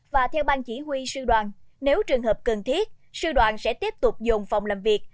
và theo bang chỉ huy sư đoàn nếu trường hợp cần thiết sư đoàn sẽ tiếp tục dồn phòng làm việc